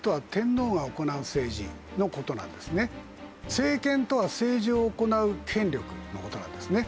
政権とは政治を行う権力の事なんですね。